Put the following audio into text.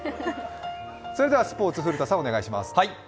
それではスポーツ、古田さんお願いします。